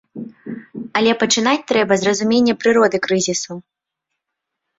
Але пачынаць трэба з разумення прыроды крызісу.